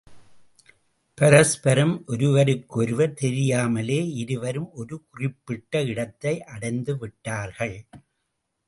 பரஸ்பரம் ஒருவருக்கொருவர் தெரியாமலே இருவரும் ஒரு குறிப்பிட்ட இடத்தை அடைந்து விட்டார்கன்.